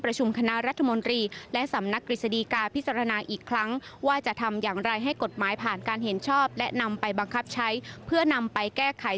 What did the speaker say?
ประชุมคณะรัฐมนตรีและสำนักธุริยาศาสตรีกาพิสรณาอีกครั้งว่าจะทำอย่างไรให้กฏหมายผ่านการเห็นชอบและนำไปบังทับใช้เพื่อนำไป